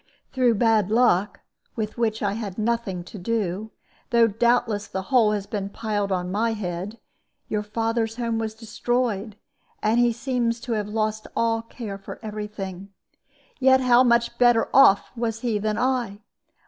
"Through bad luck, with which I had nothing to do, though doubtless the whole has been piled on my head, your father's home was destroyed, and he seems to have lost all care for every thing. Yet how much better off was he than I!